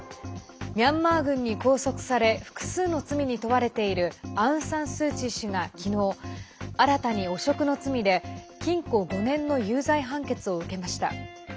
ミャンマー軍に拘束され複数の罪に問われているアウン・サン・スー・チー氏がきのう、新たに汚職の罪で禁錮５年の有罪判決を受けました。